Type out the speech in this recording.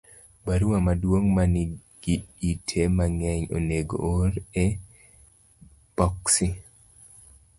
Barua maduong' ma nigi ite mang'eny onego oor e i boksi